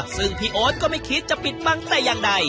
ซึ่งพี่โอ๊ตก็ไม่คิดจะปิดบังแต่อย่างใด